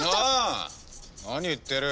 何を言ってる。